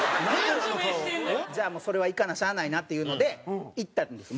じゃあもうそれは行かなしゃあないなっていうので行ったんです。